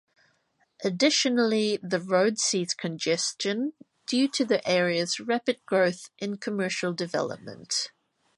Additionally, the road sees congestion due to the area's rapid growth in commercial development.